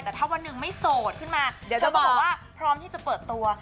แต่ถ้าวันหนึ่งไม่โสดขึ้นมาเดี๋ยวจะบอกว่าพร้อมที่จะเปิดตัว